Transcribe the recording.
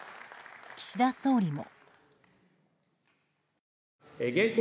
岸田総理も。